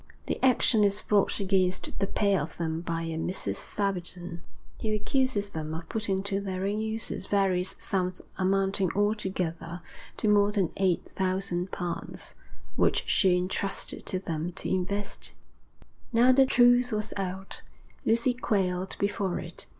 'The action is brought against the pair of them by a Mrs. Sabidon, who accuses them of putting to their own uses various sums amounting altogether to more than eight thousand pounds, which she intrusted to them to invest.' Now that the truth was out, Lucy quailed before it.